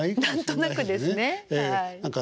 何となくですねはい。